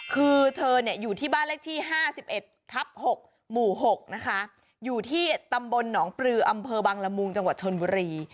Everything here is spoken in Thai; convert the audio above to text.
คือเธออยู่ที่บ้านเลขที่๕๑ทับ๖หมู่๖นะคะอยู่ที่ตำบลหนองปลืออำเภอบังละมุงจังหวัดชนบุรี